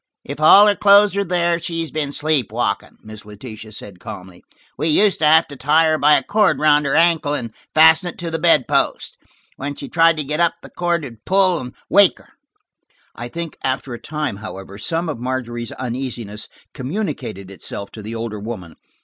"If all her clothes are there she's been sleep walking," Miss Letitia said calmly. "We used to have to tie her by a cord around her ankle and fasten it to the bedpost. When she tried to get up the cord would pull and wake her." I think after a time, however, some of Margery's uneasiness communicated itself to the older woman.